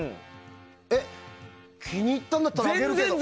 えっ、気に入ったんだったらあげるけど？